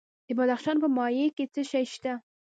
د بدخشان په مایمي کې څه شی شته؟